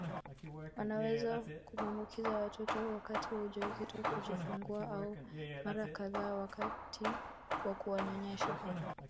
Wanaweza kumwaambukiza watoto wakati wa ujauzito kujifungua au mara kadhaa wakati wa kuwanyonyesha